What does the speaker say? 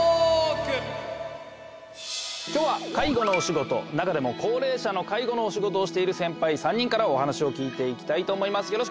今日は介護のお仕事中でも高齢者の介護のお仕事をしているセンパイ３人からお話を聞いていきたいと思います。